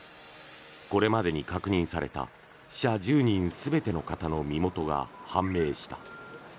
これまでに確認された死者１０人全ての方の身元が判明した。